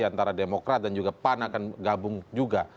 antara demokrat dan juga pan akan gabung juga